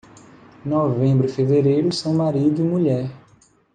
Novembro e fevereiro são marido e mulher.